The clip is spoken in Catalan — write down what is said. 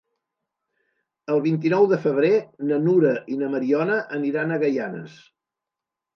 El vint-i-nou de febrer na Nura i na Mariona aniran a Gaianes.